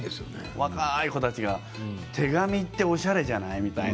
若い子たちが手紙っておしゃれじゃない？みたいな。